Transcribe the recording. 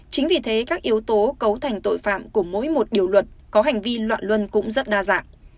chính vì thế các yếu tố cấu thành tội phạm của mỗi một điều luật có hành vi loạn luân cũng rất đa dạng